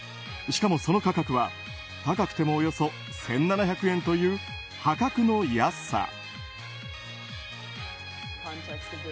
しかもその価格は高くてもおよそ１７００円という破格の安さ。